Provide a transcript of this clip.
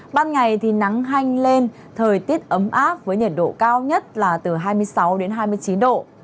ban ngày thì nắng hanh lên thời tiết ấm áp với nhiệt độ cao nhất là từ hai mươi sáu đến hai mươi chín độ